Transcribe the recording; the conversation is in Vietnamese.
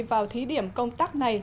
vào thí điểm công tác này